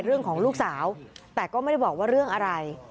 เรื่องของลูกสาวแต่ก็ไม่ได้บอกว่าเรื่องอะไร